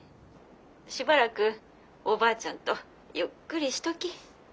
しばらくおばあちゃんとゆっくりしとき。